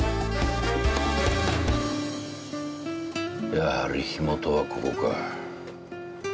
やはり火元はここか。